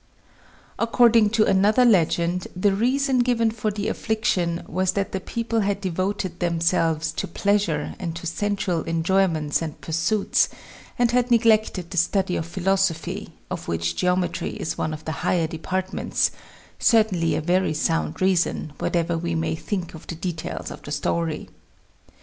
According to another legend, the reason given for the affliction was that the people had devoted themselves to pleasure and to sensual enjoyments and pursuits, and had neglected the study of philosophy, of which geometry is 30 THE DUPLICATION OF THE CUBE 31 one of the higher departments certainly a very sound reason, whatever we may think of the details of the story.